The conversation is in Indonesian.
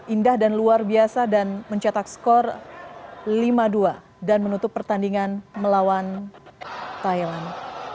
indah dan luar biasa dan mencetak skor lima dua dan menutup pertandingan melawan thailand